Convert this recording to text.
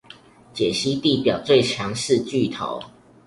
解析地表最強四巨頭